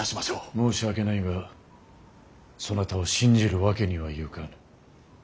申し訳ないがそなたを信じるわけにはゆかぬ。